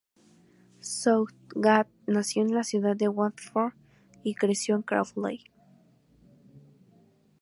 Southgate nació en la ciudad de Watford y creció en Crawley.